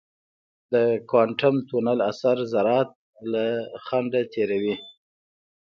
د کوانټم تونل اثر ذرات له خنډه تېروي.